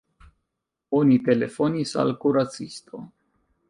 Oni telefonis al kuracisto.